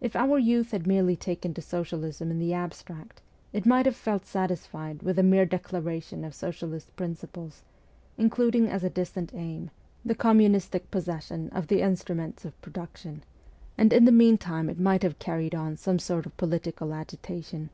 If our youth had merely taken to socialism in the abstract, it might have felt satisfied with a mere declaration of socialist principles, including as a distant aim ' the communistic possession of the instruments of ST. PETERSBURG 97 production,' and in the meantime it might have carried on some sort of political agitation.